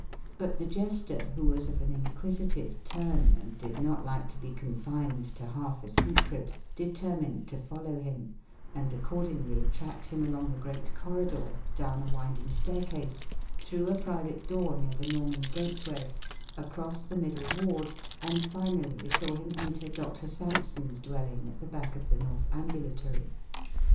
But the jester, who was of an inquisitive turn, and did not like to be confined to half a secret, determined to follow him, and accordingly tracked him along the great corridor, down a winding staircase, through a private door near the Norman Gateway, across the middle ward, and finally saw him enter Doctor Sampson's dwelling, at the back of the north ambulatory.